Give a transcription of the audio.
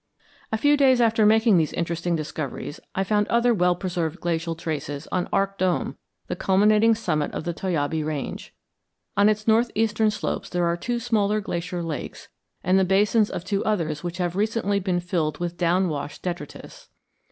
A few days after making these interesting discoveries, I found other well preserved glacial traces on Arc Dome, the culminating summit of the Toyabe Range. On its northeastern slopes there are two small glacier lakes, and the basins of two others which have recently been filled with down washed detritus.